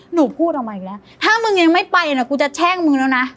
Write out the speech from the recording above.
หนูพูดออกมาอีกแล้วถ้ามึงยังไม่ไปนะกูจะแช่งมึงแล้วนะ